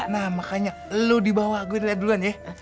nah makanya lu dibawa gua liat duluan ye